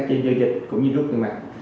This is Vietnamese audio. trên giao dịch cũng như rút ngân mặt